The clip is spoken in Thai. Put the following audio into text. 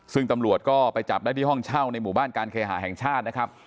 ซึ่งตำรวจก็ไปจับได้ที่ห้องเช่าในหมู่บ้านการเคหาแห่งชาตินะครับ